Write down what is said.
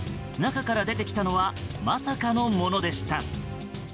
中から出てきたのはまさかのものでした。